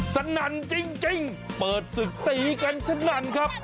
สนั่นจริงเปิดศึกตีกันสนั่นครับ